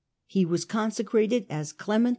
He was consecrated as Clement II.